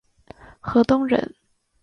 河东人。